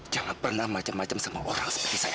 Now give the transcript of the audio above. jangan pernah macam macam sama orang seperti saya